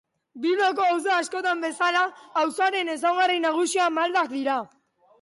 Bilboko auzo askotan bezala, auzoaren ezaugarri nagusia maldak dira.